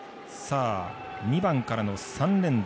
２番からの３連打。